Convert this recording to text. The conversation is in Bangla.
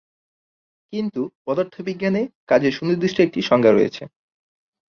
কিন্তু পদার্থবিজ্ঞানে কাজের সুনির্দিষ্ট একটি সংজ্ঞা রয়েছে।